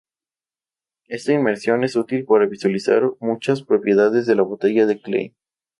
Esta inmersión es útil para visualizar muchas propiedades de la botella de Klein.